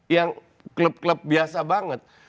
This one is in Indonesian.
yang klub klub biasa banget